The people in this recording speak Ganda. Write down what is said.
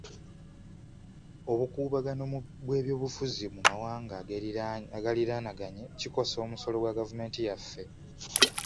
Obukuubagano bw'ebyobufuzi mu mawanga ageeriraananaganye kikosa omusolo gwa gavumenti yaffe.